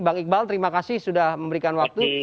bang iqbal terima kasih sudah memberikan waktu